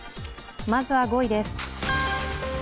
まずは５位です。